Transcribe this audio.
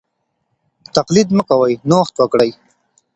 تقليد مه کوئ نوښت وکړئ.